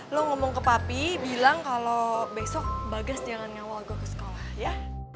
lo ngomong ke papi bilang kalau besok bagas jangan ngawal gue ke sekolah ya